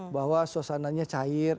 bahwa suasananya cair